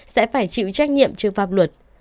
sẽ phải chịu trách nhiệm trước pháp luật